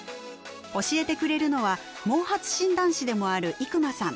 教えてくれるのは毛髪診断士でもある伊熊さん。